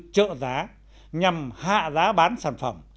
trợ giá nhằm hạ giá bán sản phẩm